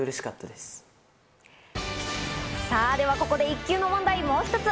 さぁでは、ここで１級の問題、もう一つ。